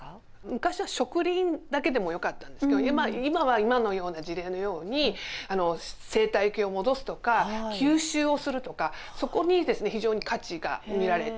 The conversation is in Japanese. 昔は植林だけでもよかったんですけど今は今のような事例のように生態系を戻すとか吸収をするとかそこにですね非常に価値が見られています。